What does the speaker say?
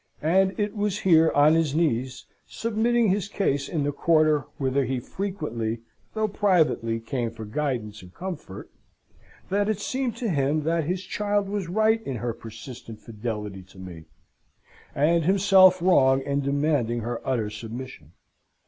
And it was here, on his knees, submitting his case in the quarter whither he frequently, though privately, came for guidance and comfort, that it seemed to him that his child was right in her persistent fidelity to me, and himself wrong in demanding her utter submission.